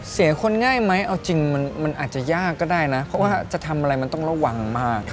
คนง่ายไหมเอาจริงมันอาจจะยากก็ได้นะเพราะว่าจะทำอะไรมันต้องระวังมาก